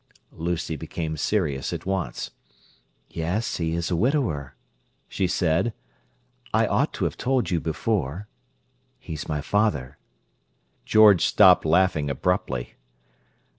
Lucy became serious at once. "Yes, he is a widower," she said. "I ought to have told you before; he's my father." George stopped laughing abruptly.